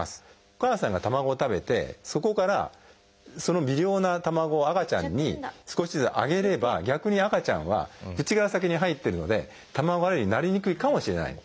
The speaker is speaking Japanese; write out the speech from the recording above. お母さんが卵を食べてそこからその微量な卵を赤ちゃんに少しずつあげれば逆に赤ちゃんは口から先に入ってるので卵アレルギーになりにくいかもしれない。